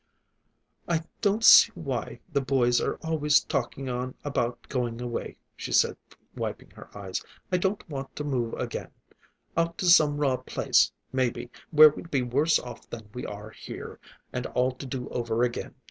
"I don't see why the boys are always taking on about going away," she said, wiping her eyes. "I don't want to move again; out to some raw place, maybe, where we'd be worse off than we are here, and all to do over again.